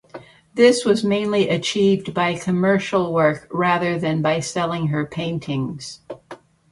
This was mainly achieved by commercial work rather than by selling her paintings.